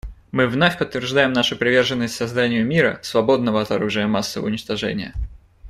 Мы вновь подтверждаем нашу приверженность созданию мира, свободного от оружия массового уничтожения.